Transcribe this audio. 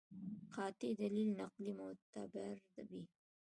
قاطع دلیل نقلي معتبر وي.